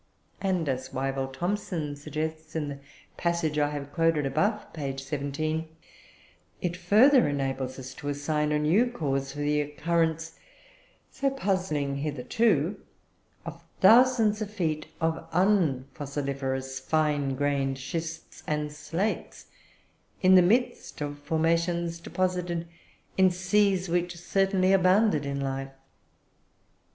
And, as Wyville Thomson suggests, in the passage I have quoted above (p. 17), it further enables us to assign a new cause for the occurrence, so puzzling hitherto, of thousands of feet of unfossiliferous fine grained schists and slates, in the midst of formations deposited in seas which certainly abounded in life.